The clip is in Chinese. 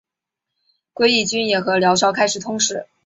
归义军也和辽朝开始通使。